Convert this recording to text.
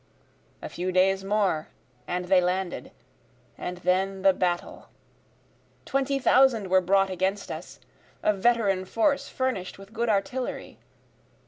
A few days more and they landed, and then the battle. Twenty thousand were brought against us, A veteran force furnish'd with good artillery.